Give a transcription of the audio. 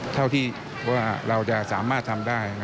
เท่าที่ว่าเราจะสามารถทำได้